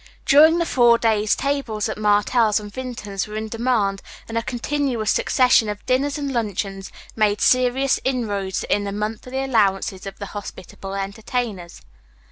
During the four days tables at Martell's and Vinton's were in demand and a continuous succession of dinners and luncheons made serious inroads in the monthly allowances of the hospitable entertainers.